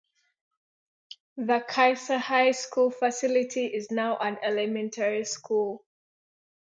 The Kiser High School facility is now an elementary school.